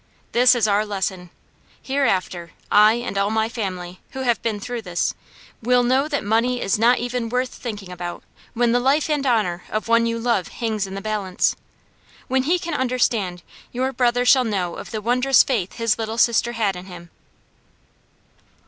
This is our lesson. Hereafter, I and all my family, who have been through this, will know that money is not even worth thinking about when the life and honour of one you love hangs in the balance. When he can understand, your brother shall know of the wondrous faith his Little Sister had in him."